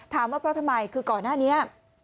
ว่าเพราะทำไมคือก่อนหน้านี้